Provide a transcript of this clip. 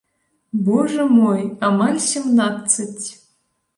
Божа мой, амаль сямнаццаць!